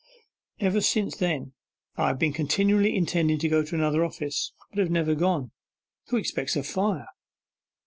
Ever since then I have been continually intending to go to another office, but have never gone. Who expects a fire?